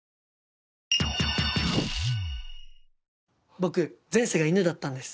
僕前世が犬だったんです。